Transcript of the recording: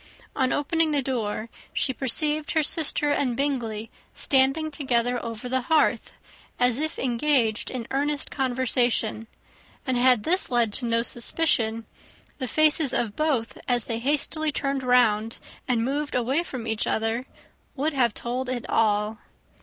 On opening the door, she perceived her sister and Bingley standing together over the hearth, as if engaged in earnest conversation; and had this led to no suspicion, the faces of both, as they hastily turned round and moved away from each other, would have told it all.